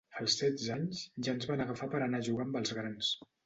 Als setze anys, ja ens van agafar per anar a jugar amb els grans.